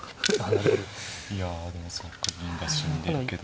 いやでもそうか銀が死んでるけど。